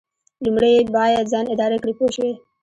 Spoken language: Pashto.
لومړی باید ځان اداره کړئ پوه شوې!.